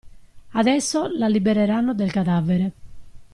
Adesso, la libereranno del cadavere.